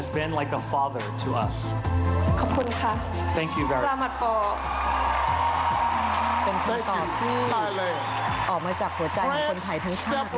เป็นต้นต่อที่ออกมาจากหัวใจของคนไทยทั้งชาติ